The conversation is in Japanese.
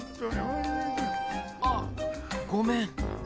あっごめん。